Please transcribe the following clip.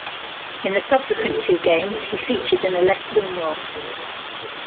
In the subsequent two games, he featured in a left wing role.